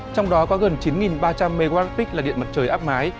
trong đó có gần chín ba trăm linh mwp là điện mặt trời áp mái